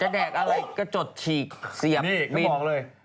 จะแดกอะไรก็จดฉีกเสียบบินนี่ก็บอกเลย